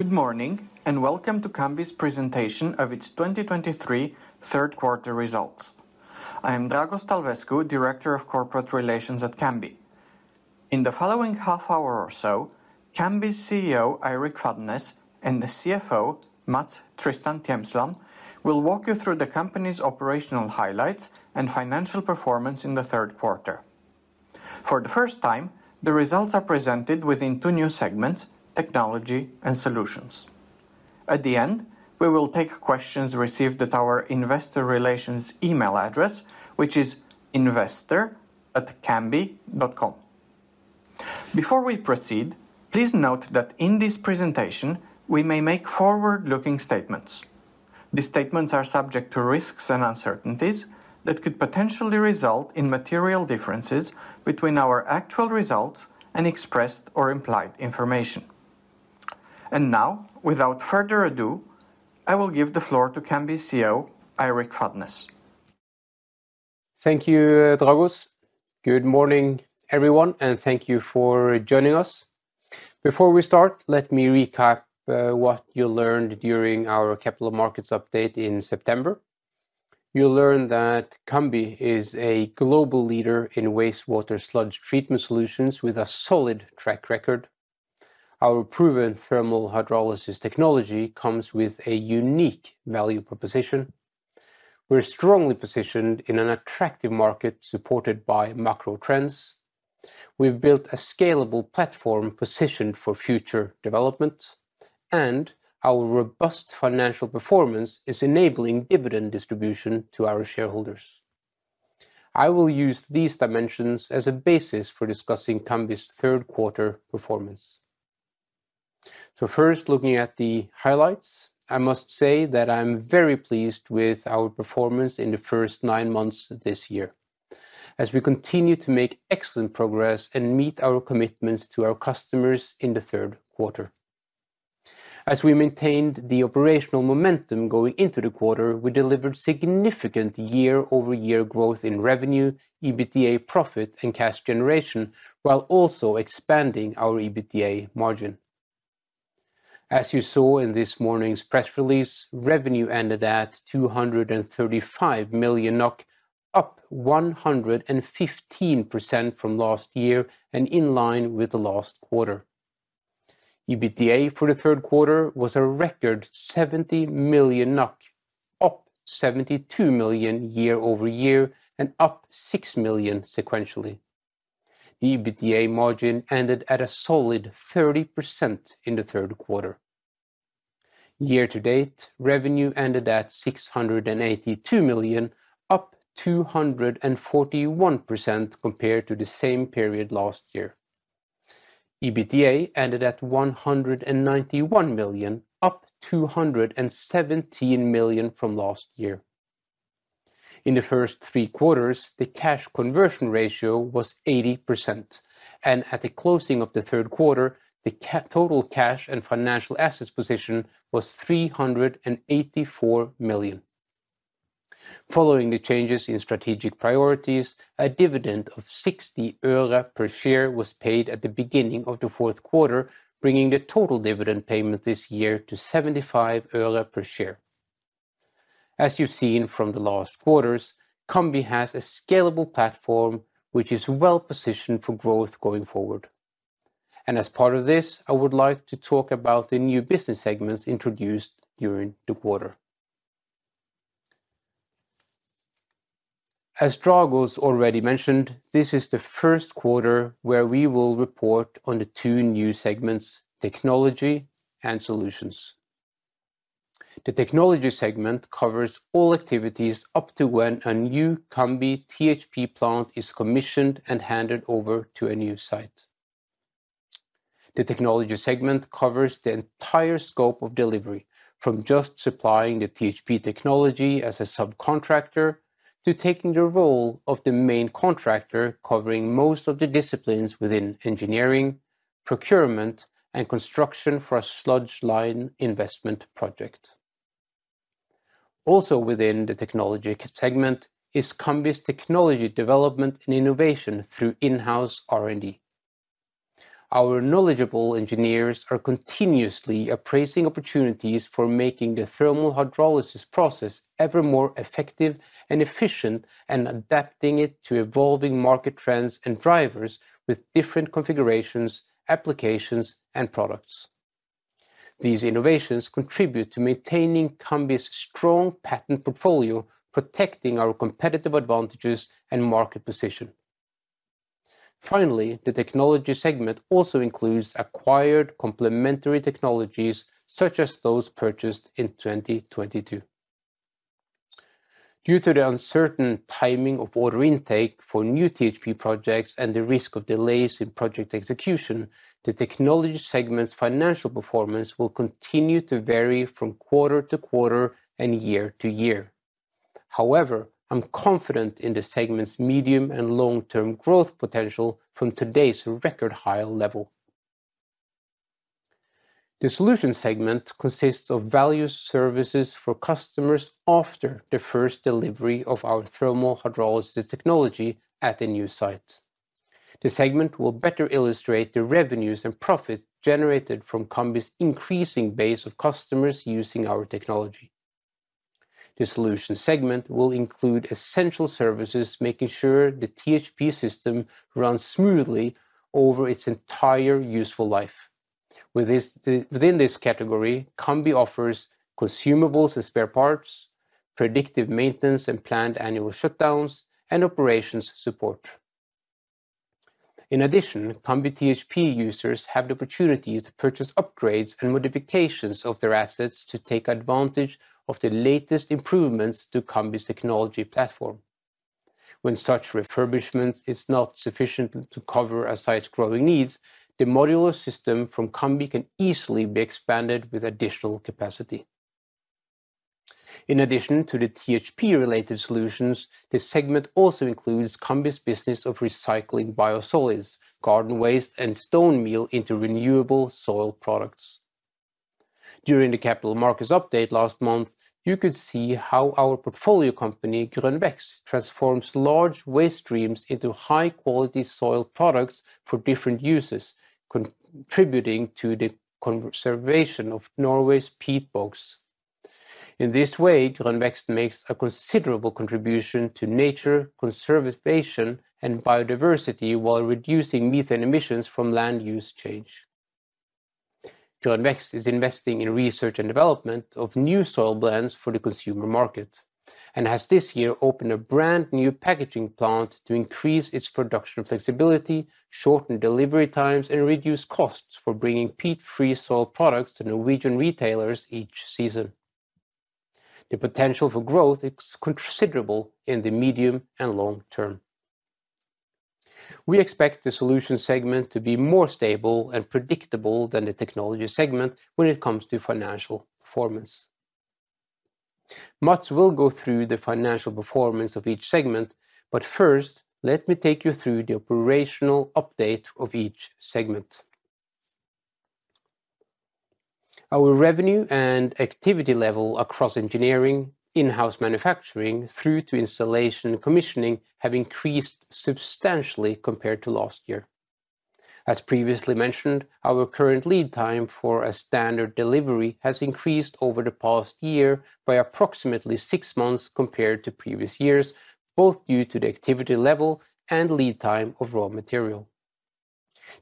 Good morning, and welcome to Cambi's presentation of its 2023 third quarter results. I am Dragos Talvescu, Director of Corporate Relations at Cambi. In the following half hour or so, Cambi's CEO, Eirik Fadnes, and the CFO, Mats Tristan Tjemsland, will walk you through the company's operational highlights and financial performance in the third quarter. For the first time, the results are presented within two new segments: technology and solutions. At the end, we will take questions received at our investor relations email address, which is investor@cambi.com. Before we proceed, please note that in this presentation, we may make forward-looking statements. These statements are subject to risks and uncertainties that could potentially result in material differences between our actual results and expressed or implied information. And now, without further ado, I will give the floor to Cambi's CEO, Eirik Fadnes. Thank you, Dragos. Good morning, everyone, and thank you for joining us. Before we start, let me recap what you learned during our capital markets update in September. You learned that Cambi is a global leader in wastewater sludge treatment solutions with a solid track record. Our proven thermal hydrolysis technology comes with a unique value proposition. We're strongly positioned in an attractive market, supported by macro trends. We've built a scalable platform positioned for future development, and our robust financial performance is enabling dividend distribution to our shareholders. I will use these dimensions as a basis for discussing Cambi's third quarter performance. So first, looking at the highlights, I must say that I'm very pleased with our performance in the first nine months of this year, as we continue to make excellent progress and meet our commitments to our customers in the third quarter. As we maintained the operational momentum going into the quarter, we delivered significant year-over-year growth in revenue, EBITDA, profit, and cash generation, while also expanding our EBITDA margin. As you saw in this morning's press release, revenue ended at 235 million, up 115% from last year and in line with the last quarter. EBITDA for the third quarter was a record 70 million NOK, up 72 million year-over-year and up 6 million sequentially. The EBITDA margin ended at a solid 30% in the third quarter. Year to date, revenue ended at 682 million, up 241% compared to the same period last year. EBITDA ended at 191 million, up 217 million from last year. In the first three quarters, the cash conversion ratio was 80%, and at the closing of the third quarter, the total cash and financial assets position was 384 million. Following the changes in strategic priorities, a dividend of NOK 0.6 per share was paid at the beginning of the fourth quarter, bringing the total dividend payment this year to NOK 0.75 per share. As you've seen from the last quarters, Cambi has a scalable platform, which is well-positioned for growth going forward. And as part of this, I would like to talk about the new business segments introduced during the quarter. As Dragos already mentioned, this is the first quarter where we will report on the two new segments: technology and solutions. The technology segment covers all activities up to when a new Cambi THP plant is commissioned and handed over to a new site. The technology segment covers the entire scope of delivery, from just supplying the THP technology as a subcontractor, to taking the role of the main contractor, covering most of the disciplines within engineering, procurement, and construction for a sludge line investment project. Also, within the technology segment is Cambi's technology development and innovation through in-house R&D. Our knowledgeable engineers are continuously appraising opportunities for making the thermal hydrolysis process ever more effective and efficient and adapting it to evolving market trends and drivers with different configurations, applications, and products. These innovations contribute to maintaining Cambi's strong patent portfolio, protecting our competitive advantages and market position. Finally, the technology segment also includes acquired complementary technologies, such as those purchased in 2022. Due to the uncertain timing of order intake for new THP projects and the risk of delays in project execution, the technology segment's financial performance will continue to vary from quarter to quarter and year to year. However, I'm confident in the segment's medium- and long-term growth potential from today's record-high level. The solution segment consists of value services for customers after the first delivery of our thermal hydrolysis technology at a new site. The segment will better illustrate the revenues and profits generated from Cambi's increasing base of customers using our technology. The solution segment will include essential services, making sure the THP system runs smoothly over its entire useful life. Within this category, Cambi offers consumables and spare parts, predictive maintenance, and planned annual shutdowns, and operations support. In addition, Cambi THP users have the opportunity to purchase upgrades and modifications of their assets to take advantage of the latest improvements to Cambi's technology platform. When such refurbishment is not sufficient to cover a site's growing needs, the modular system from Cambi can easily be expanded with additional capacity. In addition to the THP-related solutions, this segment also includes Cambi's business of recycling biosolids, garden waste, and stone meal into renewable soil products. During the capital markets update last month, you could see how our portfolio company, Grønn Vekst, transforms large waste streams into high-quality soil products for different uses, contributing to the conservation of Norway's peat bogs. In this way, Grønn Vekst makes a considerable contribution to nature, conservation, and biodiversity, while reducing methane emissions from land use change. Grønn Vekst is investing in research and development of new soil blends for the consumer market, and has this year opened a brand-new packaging plant to increase its production flexibility, shorten delivery times, and reduce costs for bringing peat-free soil products to Norwegian retailers each season. The potential for growth is considerable in the medium and long term. We expect the solution segment to be more stable and predictable than the technology segment when it comes to financial performance. Mats will go through the financial performance of each segment, but first, let me take you through the operational update of each segment. Our revenue and activity level across engineering, in-house manufacturing, through to installation and commissioning, have increased substantially compared to last year. As previously mentioned, our current lead time for a standard delivery has increased over the past year by approximately six months compared to previous years, both due to the activity level and lead time of raw material.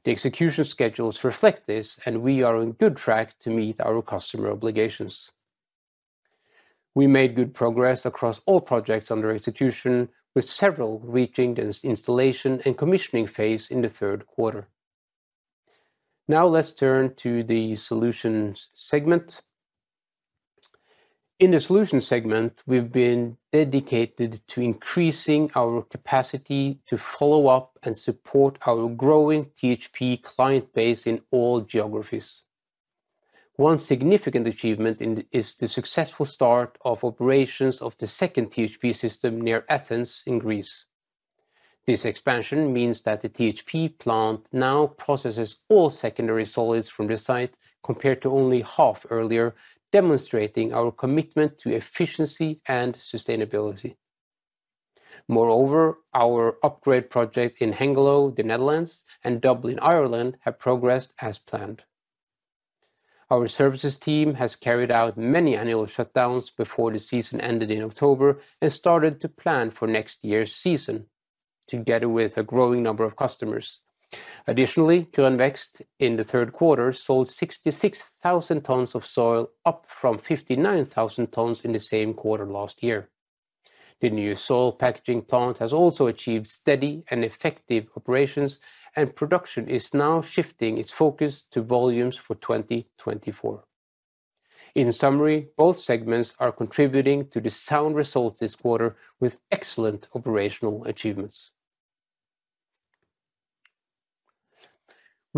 The execution schedules reflect this, and we are on good track to meet our customer obligations. We made good progress across all projects under execution, with several reaching this installation and commissioning phase in the third quarter. Now, let's turn to the solutions segment. In the solutions segment, we've been dedicated to increasing our capacity to follow up and support our growing THP client base in all geographies. One significant achievement is the successful start of operations of the second THP system near Athens, Greece. This expansion means that the THP plant now processes all secondary solids from the site, compared to only half earlier, demonstrating our commitment to efficiency and sustainability. Moreover, our upgrade project in Hengelo, the Netherlands, and Dublin, Ireland, have progressed as planned. Our services team has carried out many annual shutdowns before the season ended in October and started to plan for next year's season, together with a growing number of customers. Additionally, Grønn Vekst, in the third quarter, sold 66,000 tons of soil, up from 59,000 tons in the same quarter last year. The new soil packaging plant has also achieved steady and effective operations, and production is now shifting its focus to volumes for 2024. In summary, both segments are contributing to the sound results this quarter with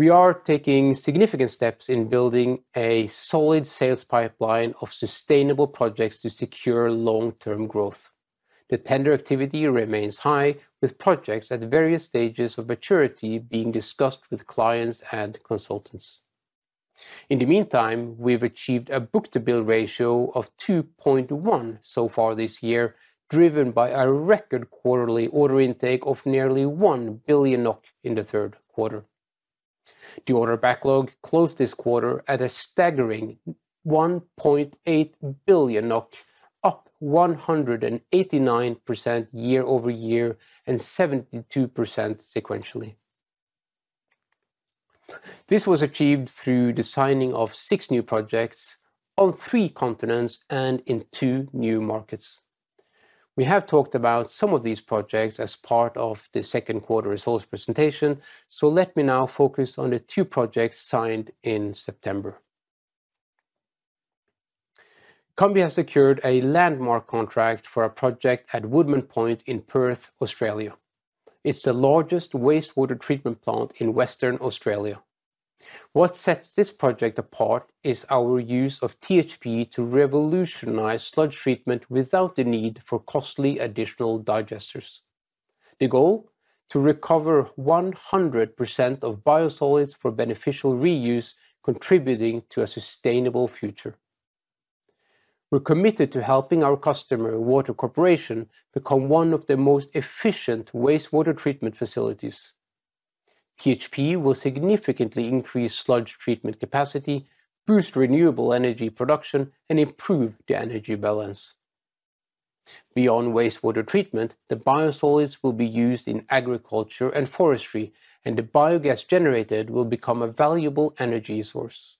excellent operational achievements. We are taking significant steps in building a solid sales pipeline of sustainable projects to secure long-term growth. The tender activity remains high, with projects at various stages of maturity being discussed with clients and consultants. In the meantime, we've achieved a book-to-bill ratio of 2.1 so far this year, driven by a record quarterly order intake of nearly 1 billion NOK in the third quarter. The order backlog closed this quarter at a staggering 1.8 billion, up 189% year-over-year and 72% sequentially. This was achieved through the signing of six new projects on three continents and in two new markets. We have talked about some of these projects as part of the second quarter results presentation, so let me now focus on the two projects signed in September. Cambi has secured a landmark contract for a project at Woodman Point in Perth, Australia. It's the largest wastewater treatment plant in Western Australia. What sets this project apart is our use of THP to revolutionize sludge treatment without the need for costly additional digesters. The goal? To recover 100% of biosolids for beneficial reuse, contributing to a sustainable future. We're committed to helping our customer, Water Corporation, become one of the most efficient wastewater treatment facilities. THP will significantly increase sludge treatment capacity, boost renewable energy production, and improve the energy balance. Beyond wastewater treatment, the biosolids will be used in agriculture and forestry, and the biogas generated will become a valuable energy source.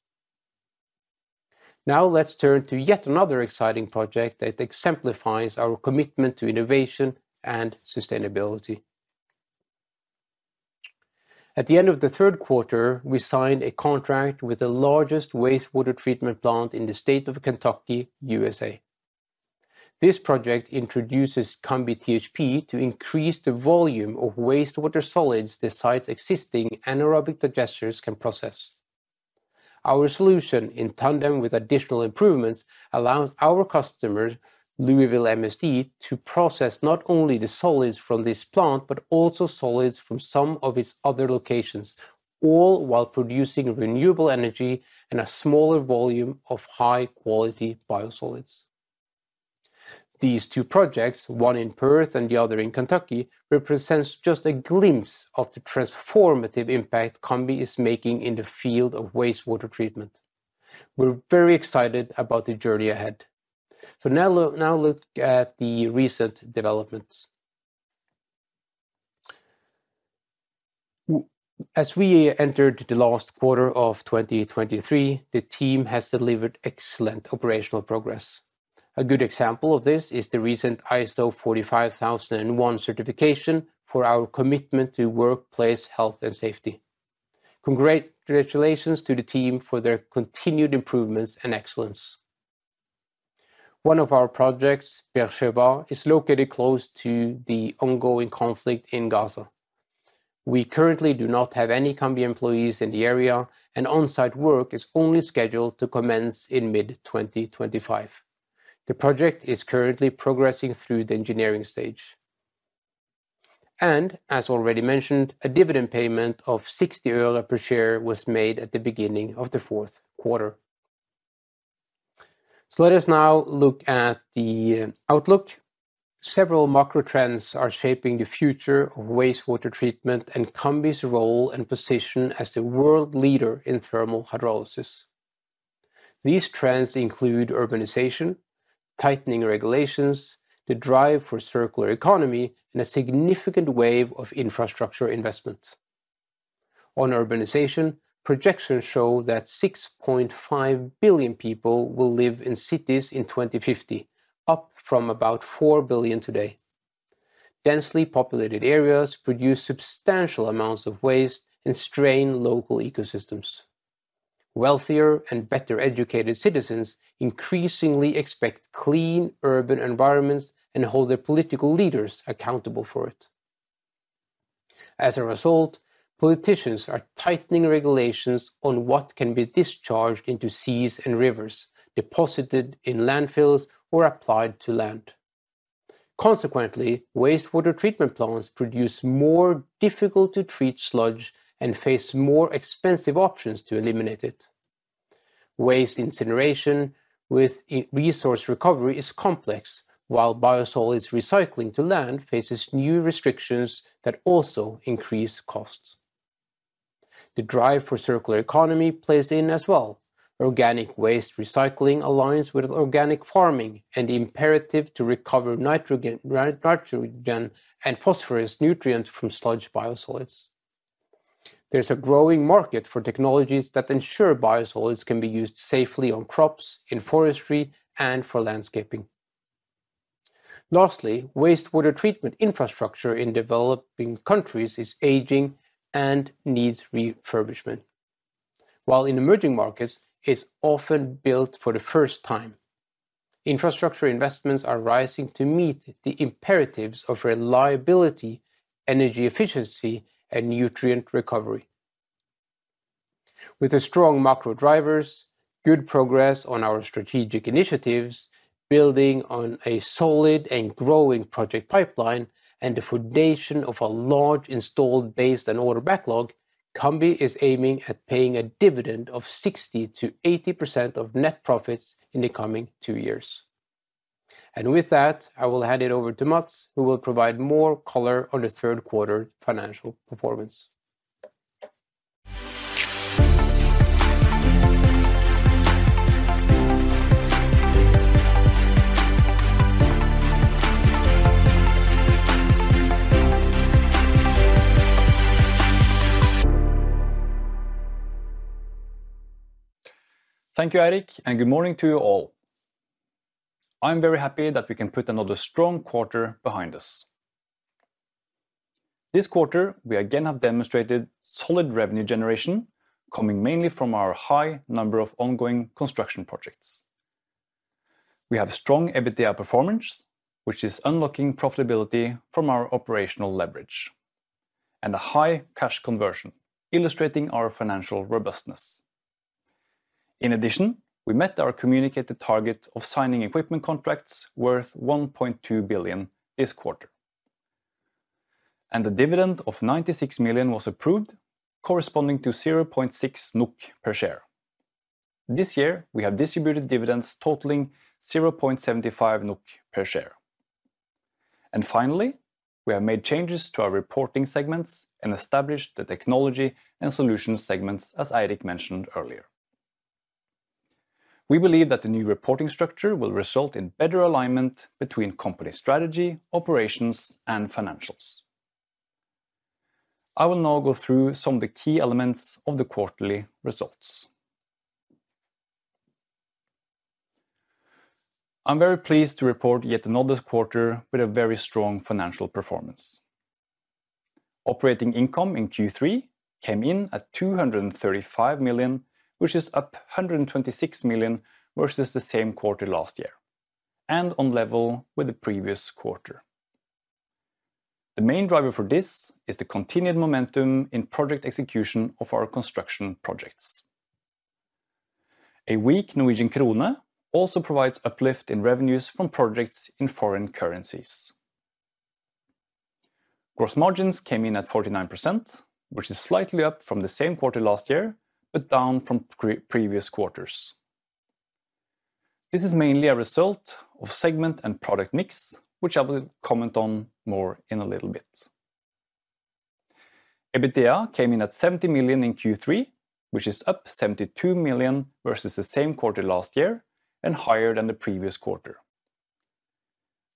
Now, let's turn to yet another exciting project that exemplifies our commitment to innovation and sustainability. At the end of the third quarter, we signed a contract with the largest wastewater treatment plant in the state of Kentucky, USA. This project introduces Cambi THP to increase the volume of wastewater solids the site's existing anaerobic digesters can process. Our solution, in tandem with additional improvements, allows our customers, Louisville MSD, to process not only the solids from this plant, but also solids from some of its other locations, all while producing renewable energy and a smaller volume of high-quality biosolids. These two projects, one in Perth and the other in Kentucky, represents just a glimpse of the transformative impact Cambi is making in the field of wastewater treatment. We're very excited about the journey ahead. So now look, now look at the recent developments. As we entered the last quarter of 2023, the team has delivered excellent operational progress. A good example of this is the recent ISO 45001 certification for our commitment to workplace health and safety. Congratulations to the team for their continued improvements and excellence. One of our projects, Beersheba, is located close to the ongoing conflict in Gaza. We currently do not have any Cambi employees in the area, and on-site work is only scheduled to commence in mid-2025. The project is currently progressing through the engineering stage. As already mentioned, a dividend payment of NOK 0.6 per share was made at the beginning of the fourth quarter. Let us now look at the outlook. Several macro trends are shaping the future of wastewater treatment and Cambi's role and position as the world leader in thermal hydrolysis. These trends include urbanization, tightening regulations, the drive for circular economy, and a significant wave of infrastructure investment. On urbanization, projections show that 6.5 billion people will live in cities in 2050, up from about 4 billion today. Densely populated areas produce substantial amounts of waste and strain local ecosystems. Wealthier and better-educated citizens increasingly expect clean, urban environments and hold their political leaders accountable for it. As a result, politicians are tightening regulations on what can be discharged into seas and rivers, deposited in landfills, or applied to land. Consequently, wastewater treatment plants produce more difficult-to-treat sludge and face more expensive options to eliminate it. Waste incineration with resource recovery is complex, while biosolids recycling to land faces new restrictions that also increase costs. The drive for circular economy plays in as well. Organic waste recycling aligns with organic farming and the imperative to recover nitrogen and phosphorus nutrients from sludge biosolids. There's a growing market for technologies that ensure biosolids can be used safely on crops, in forestry, and for landscaping. Lastly, wastewater treatment infrastructure in developing countries is aging and needs refurbishment. While in emerging markets, it's often built for the first time. Infrastructure investments are rising to meet the imperatives of reliability, energy efficiency, and nutrient recovery. With the strong macro drivers, good progress on our strategic initiatives, building on a solid and growing project pipeline, and the foundation of a large installed base and order backlog, Cambi is aiming at paying a dividend of 60%-80% of net profits in the coming two years. With that, I will hand it over to Mats, who will provide more color on the third quarter financial performance. Thank you, Eirik, and good morning to you all. I'm very happy that we can put another strong quarter behind us. This quarter, we again have demonstrated solid revenue generation, coming mainly from our high number of ongoing construction projects. We have strong EBITDA performance, which is unlocking profitability from our operational leverage, and a high cash conversion, illustrating our financial robustness. In addition, we met our communicated target of signing equipment contracts worth 1.2 billion this quarter, and the dividend of 96 million was approved, corresponding to 0.6 NOK per share. This year, we have distributed dividends totaling 0.75 NOK per share. Finally, we have made changes to our reporting segments and established the technology and solutions segments, as Eirik mentioned earlier. We believe that the new reporting structure will result in better alignment between company strategy, operations, and financials. I will now go through some of the key elements of the quarterly results. I'm very pleased to report yet another quarter with a very strong financial performance. Operating income in Q3 came in at 235 million, which is up 126 million versus the same quarter last year, and on level with the previous quarter. The main driver for this is the continued momentum in project execution of our construction projects. A weak Norwegian krone also provides uplift in revenues from projects in foreign currencies. Gross margins came in at 49%, which is slightly up from the same quarter last year, but down from pre-previous quarters. This is mainly a result of segment and product mix, which I will comment on more in a little bit. EBITDA came in at 70 million in Q3, which is up 72 million versus the same quarter last year and higher than the previous quarter.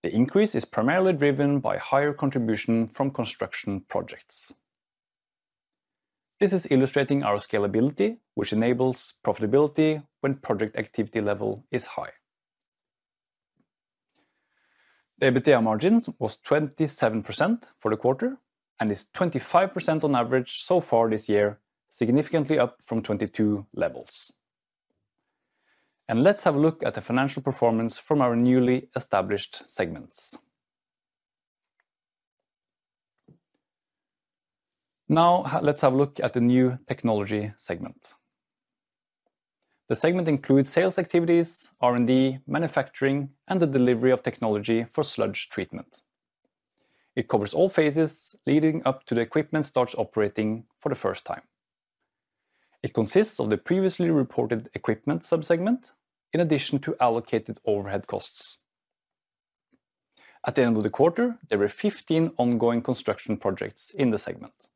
The increase is primarily driven by higher contribution from construction projects. This is illustrating our scalability, which enables profitability when project activity level is high. The EBITDA margin was 27% for the quarter and is 25% on average so far this year, significantly up from 22% levels. Let's have a look at the financial performance from our newly established segments. Now, let's have a look at the new technology segment. The segment includes sales activities, R&D, manufacturing, and the delivery of technology for sludge treatment. It covers all phases leading up to the equipment starts operating for the first time. It consists of the previously reported equipment sub-segment, in addition to allocated overhead costs. At the end of the quarter, there were 15 ongoing construction projects in the segment.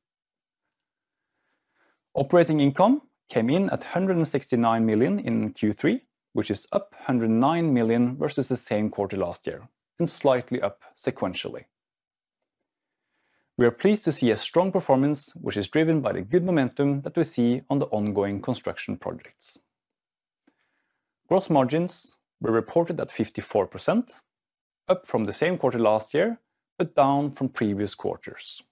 Operating income came in at 169 million in Q3, which is up 109 million versus the same quarter last year, and slightly up sequentially. We are pleased to see a strong performance, which is driven by the good momentum that we see on the ongoing construction projects. Gross margins were reported at 54%, up from the same quarter last year, but down from previous quarters.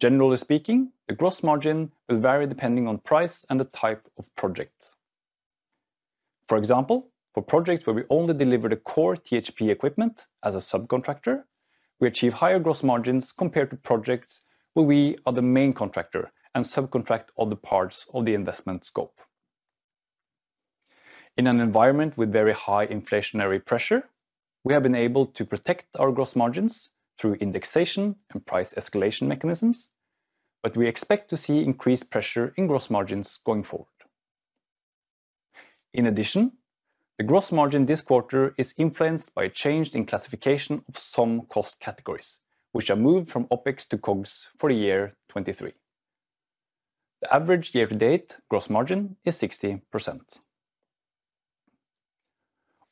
Generally speaking, the gross margin will vary depending on price and the type of project. For example, for projects where we only deliver the core THP equipment as a subcontractor, we achieve higher gross margins compared to projects where we are the main contractor and subcontract other parts of the investment scope. In an environment with very high inflationary pressure, we have been able to protect our gross margins through indexation and price escalation mechanisms, but we expect to see increased pressure in gross margins going forward. In addition, the gross margin this quarter is influenced by a change in classification of some cost categories, which are moved from OpEx to COGS for the year 2023. The average year-to-date gross margin is 60%.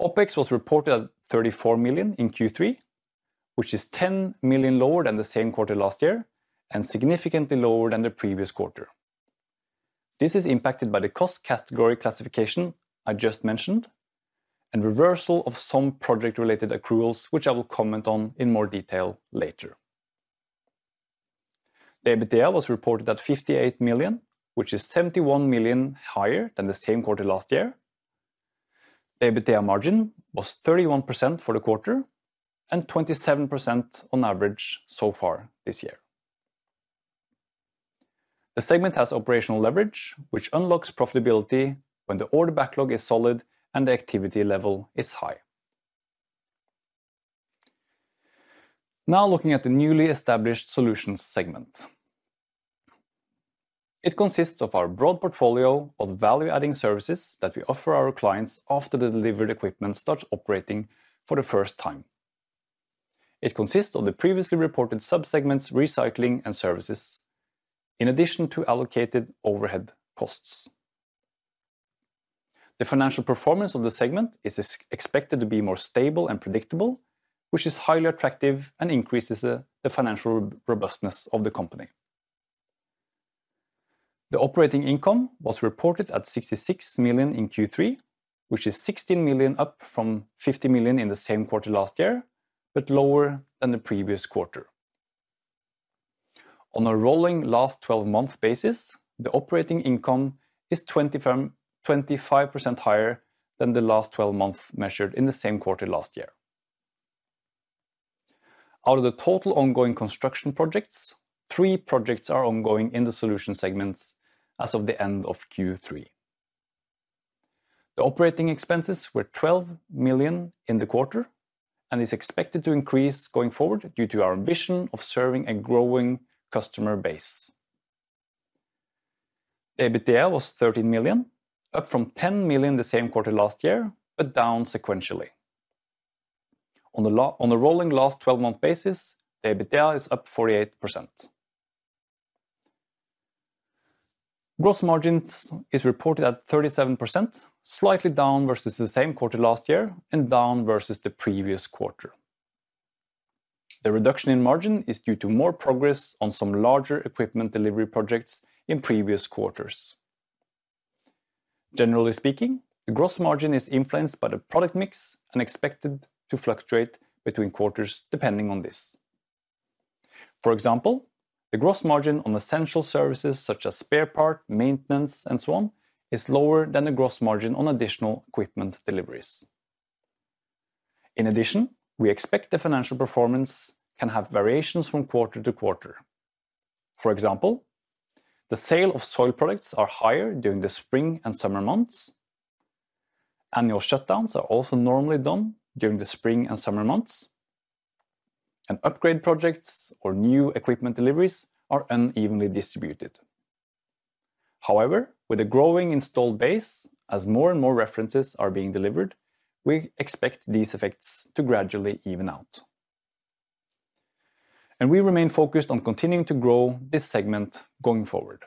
OpEx was reported at 34 million in Q3, which is 10 million lower than the same quarter last year and significantly lower than the previous quarter. This is impacted by the cost category classification I just mentioned, and reversal of some project-related accruals, which I will comment on in more detail later. The EBITDA was reported at 58 million, which is 71 million higher than the same quarter last year. The EBITDA margin was 31% for the quarter and 27% on average so far this year. The segment has operational leverage, which unlocks profitability when the order backlog is solid and the activity level is high. Now, looking at the newly established solutions segment. It consists of our broad portfolio of value-adding services that we offer our clients after the delivered equipment starts operating for the first time. It consists of the previously reported sub-segments, recycling and services, in addition to allocated overhead costs. The financial performance of the segment is expected to be more stable and predictable, which is highly attractive and increases the financial robustness of the company. The operating income was reported at 66 million in Q3, which is 16 million up from 50 million in the same quarter last year, but lower than the previous quarter. On a rolling last 12-month basis, the operating income is 25% higher than the last twelve months measured in the same quarter last year. Out of the total ongoing construction projects, three projects are ongoing in the solution segments as of the end of Q3. The operating expenses were 12 million in the quarter, and is expected to increase going forward due to our ambition of serving a growing customer base. The EBITDA was 13 million, up from 10 million the same quarter last year, but down sequentially. On the rolling last twelve-month basis, the EBITDA is up 48%. Gross margins is reported at 37%, slightly down versus the same quarter last year and down versus the previous quarter. The reduction in margin is due to more progress on some larger equipment delivery projects in previous quarters. Generally speaking, the gross margin is influenced by the product mix and expected to fluctuate between quarters depending on this. For example, the gross margin on essential services, such as spare part, maintenance, and so on, is lower than the gross margin on additional equipment deliveries. In addition, we expect the financial performance can have variations from quarter to quarter. For example, the sale of soil products are higher during the spring and summer months. Annual shutdowns are also normally done during the spring and summer months. And upgrade projects or new equipment deliveries are unevenly distributed. However, with a growing installed base, as more and more references are being delivered, we expect these effects to gradually even out. And we remain focused on continuing to grow this segment going forward.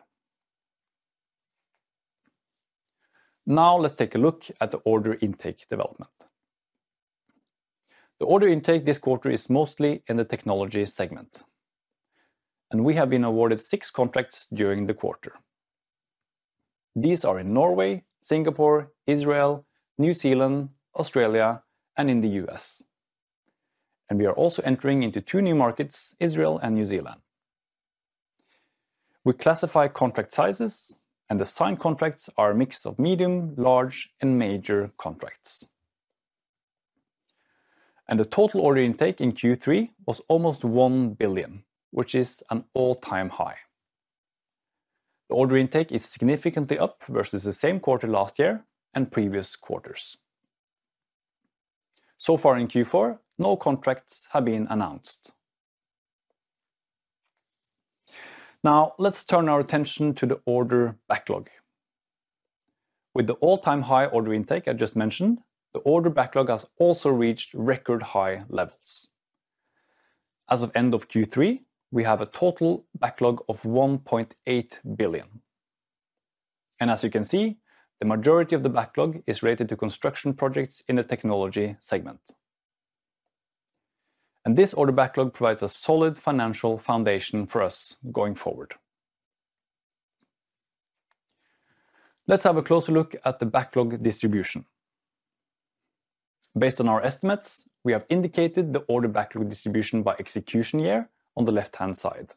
Now, let's take a look at the order intake development. The order intake this quarter is mostly in the technology segment, and we have been awarded six contracts during the quarter. These are in Norway, Singapore, Israel, New Zealand, Australia, and in the U.S. And we are also entering into two new markets, Israel and New Zealand. We classify contract sizes, and the signed contracts are a mix of medium, large, and major contracts. And the total order intake in Q3 was almost 1 billion, which is an all-time high. The order intake is significantly up versus the same quarter last year and previous quarters. So far in Q4, no contracts have been announced. Now, let's turn our attention to the order backlog. With the all-time high order intake I just mentioned, the order backlog has also reached record high levels. As of end of Q3, we have a total backlog of 1.8 billion. As you can see, the majority of the backlog is related to construction projects in the technology segment. This order backlog provides a solid financial foundation for us going forward. Let's have a closer look at the backlog distribution. Based on our estimates, we have indicated the order backlog distribution by execution year on the left-hand side.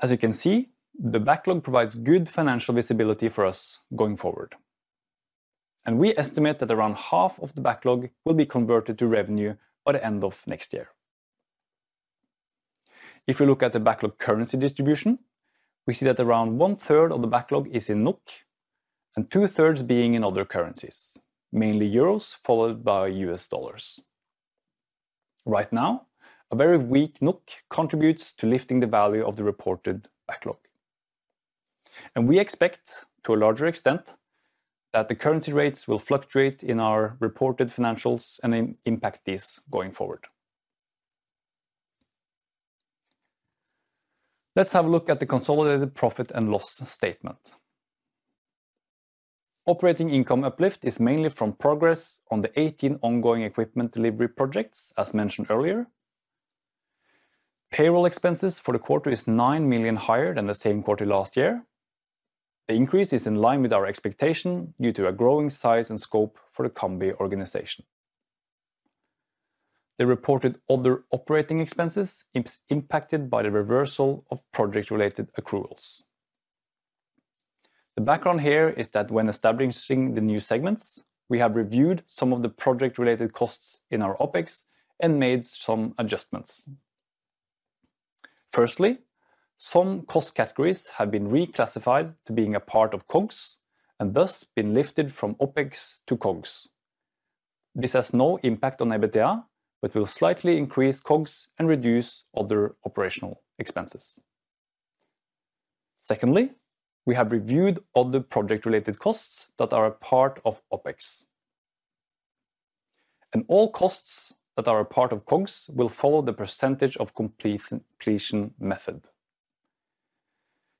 As you can see, the backlog provides good financial visibility for us going forward, and we estimate that around half of the backlog will be converted to revenue by the end of next year. If we look at the backlog currency distribution, we see that around one third of the backlog is in NOK and two thirds being in other currencies, mainly euros, followed by U.S. dollars. Right now, a very weak NOK contributes to lifting the value of the reported backlog. We expect, to a larger extent, that the currency rates will fluctuate in our reported financials and impact these going forward. Let's have a look at the consolidated profit and loss statement. Operating income uplift is mainly from progress on the 18 ongoing equipment delivery projects, as mentioned earlier. Payroll expenses for the quarter is 9 million higher than the same quarter last year. The increase is in line with our expectation due to a growing size and scope for the Cambi organization. The reported other operating expenses is impacted by the reversal of project-related accruals. The background here is that when establishing the new segments, we have reviewed some of the project-related costs in our OpEx and made some adjustments. Firstly, some cost categories have been reclassified to being a part of COGS and thus been lifted from OpEx to COGS. This has no impact on EBITDA, but will slightly increase COGS and reduce other operational expenses. Secondly, we have reviewed other project-related costs that are a part of OpEx. And all costs that are a part of COGS will follow the percentage-of-completion method.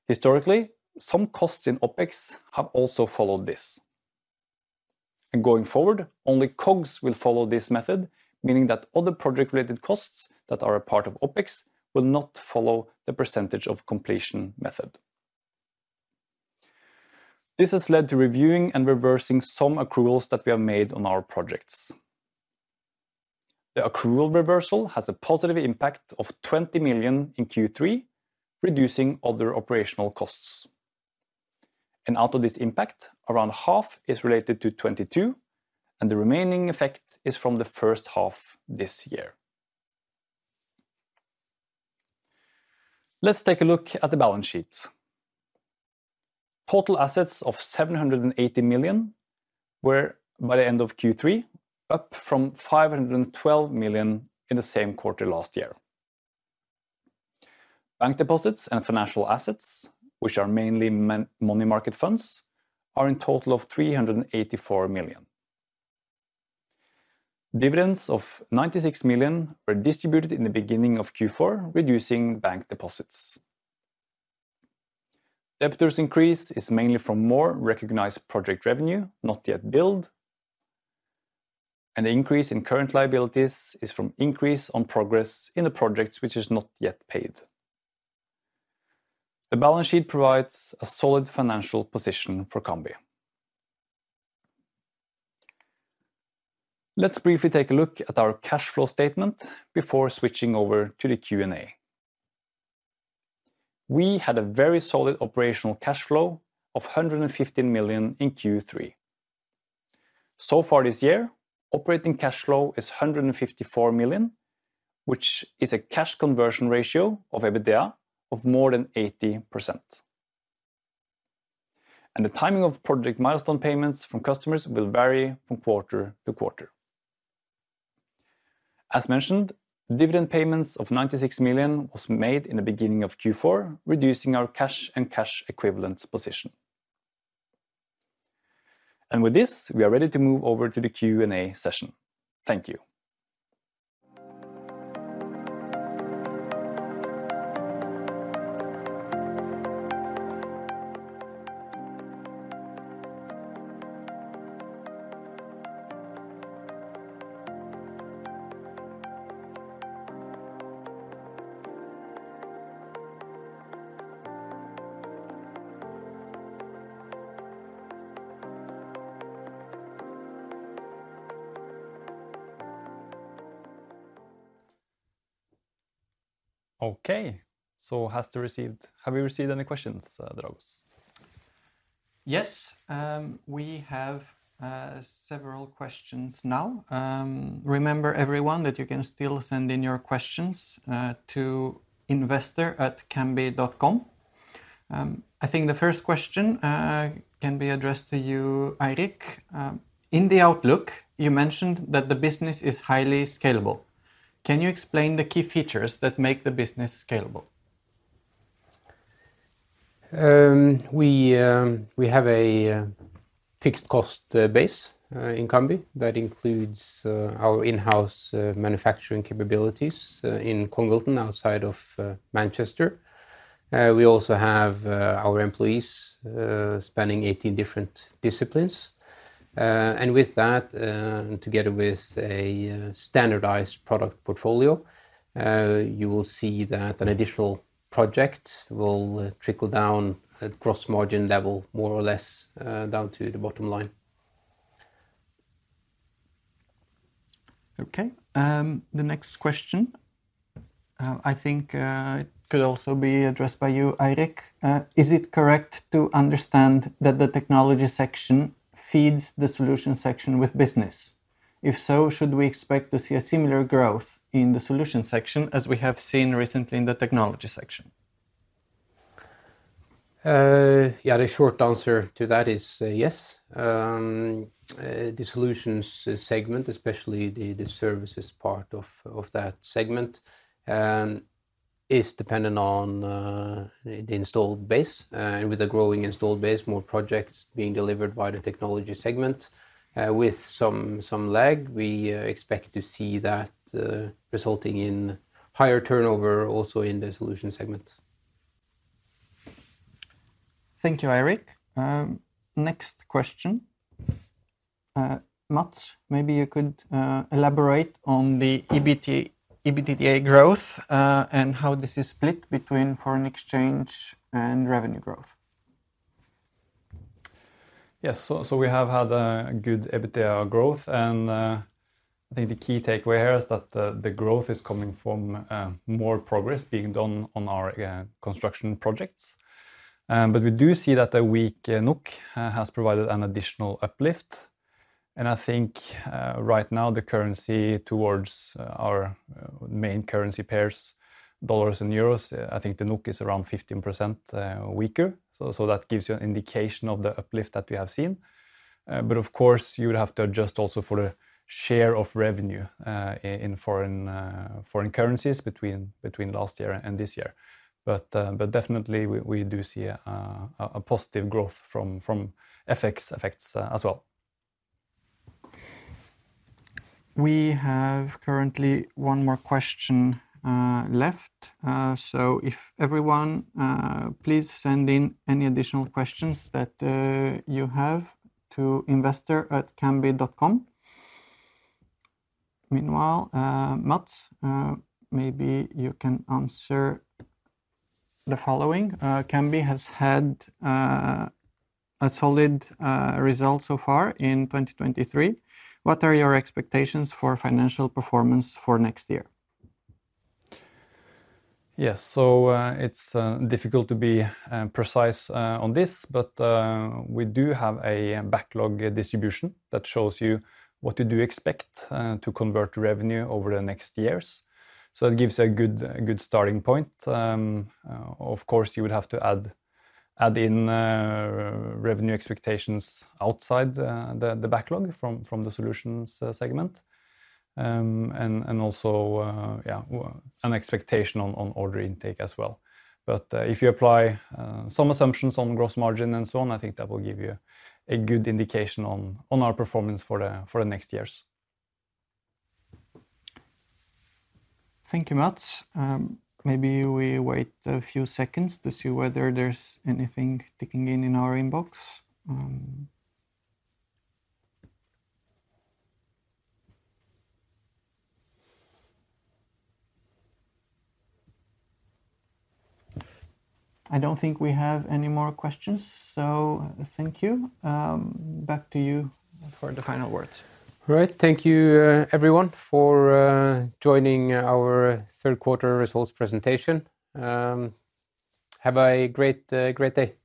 Historically, some costs in OpEx have also followed this, and going forward, only COGS will follow this method, meaning that other project-related costs that are a part of OpEx will not follow the percentage-of-completion method. This has led to reviewing and reversing some accruals that we have made on our projects. The accrual reversal has a positive impact of 20 million in Q3, reducing other operational costs. And out of this impact, around half is related to 2022, and the remaining effect is from the first half this year. Let's take a look at the balance sheet. Total assets of 780 million were, by the end of Q3, up from 512 million in the same quarter last year. Bank deposits and financial assets, which are mainly money market funds, are in total 384 million. Dividends of 96 million were distributed in the beginning of Q4, reducing bank deposits. Debtors increase is mainly from more recognized project revenue, not yet billed. The increase in current liabilities is from increase on progress in the projects, which is not yet paid. The balance sheet provides a solid financial position for Cambi. Let's briefly take a look at our cash flow statement before switching over to the Q&A. We had a very solid operational cash flow of 115 million in Q3. So far this year, operating cash flow is 154 million, which is a cash conversion ratio of EBITDA of more than 80%. And the timing of project milestone payments from customers will vary from quarter to quarter. As mentioned, dividend payments of 96 million was made in the beginning of Q4, reducing our cash and cash equivalents position. And with this, we are ready to move over to the Q&A session. Thank you. Okay, so have you received any questions, Dragos? Yes, we have several questions now. Remember, everyone, that you can still send in your questions to investor@cambi.com. I think the first question can be addressed to you, Eirik. In the outlook, you mentioned that the business is highly scalable. Can you explain the key features that make the business scalable? We have a fixed cost base in Cambi that includes our in-house manufacturing capabilities in Congleton, outside of Manchester. We also have our employees spanning 18 different disciplines. And with that, and together with a standardized product portfolio, you will see that an additional project will trickle down at gross margin level, more or less, down to the bottom line. Okay, the next question, I think, could also be addressed by you, Eirik. Is it correct to understand that the technology section feeds the solution section with business? If so, should we expect to see a similar growth in the solution section as we have seen recently in the technology section? Yeah, the short answer to that is yes. The solutions segment, especially the services part of that segment, is dependent on the installed base. And with a growing installed base, more projects being delivered by the technology segment, with some lag, we expect to see that resulting in higher turnover also in the solution segment. Thank you, Eirik. Next question. Mats, maybe you could elaborate on the EBITDA growth, and how this is split between foreign exchange and revenue growth. Yes, so we have had a good EBITDA growth, and I think the key takeaway here is that the growth is coming from more progress being done on our construction projects. But we do see that a weak NOK has provided an additional uplift, and I think right now, the currency towards our main currency pairs, dollars and euros, the NOK is around 15% weaker. So that gives you an indication of the uplift that we have seen. But of course, you would have to adjust also for the share of revenue in foreign currencies between last year and this year. But definitely, we do see a positive growth from FX effects as well. We have currently one more question left. So if everyone please send in any additional questions that you have to investor@cambi.com. Meanwhile, Mats, maybe you can answer the following. Cambi has had a solid result so far in 2023. What are your expectations for financial performance for next year? Yes, so, it's difficult to be precise on this, but we do have a backlog distribution that shows you what we do expect to convert to revenue over the next years. So that gives a good starting point. Of course, you would have to add in revenue expectations outside the backlog from the solutions segment. And also an expectation on order intake as well. But if you apply some assumptions on gross margin and so on, I think that will give you a good indication on our performance for the next years. Thank you, Mats. Maybe we wait a few seconds to see whether there's anything ticking in our inbox. I don't think we have any more questions, so thank you. Back to you for the final words. All right. Thank you, everyone, for joining our third quarter results presentation. Have a great, great day.